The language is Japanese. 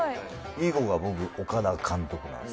以後が僕岡田監督なんです。